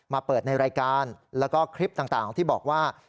มาเปิดในรายการแล้วก็คลิปต่างที่บอกว่า